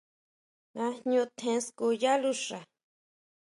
Ñajñu tjen skú yá luxa.